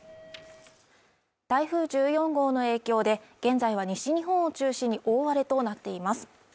台風１４号の影響で現在は西日本を中心に大荒れとなっています